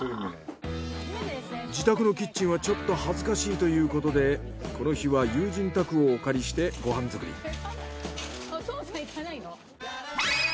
自宅のキッチンはちょっと恥ずかしいということでこの日は友人宅をお借りしてご飯作り。